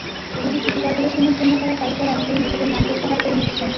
দুটি সিটি করপোরেশনের জন্য করা তালিকার অনেকেই নিজেদের নাম প্রত্যাহার করে নিচ্ছেন।